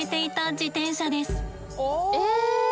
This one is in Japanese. え！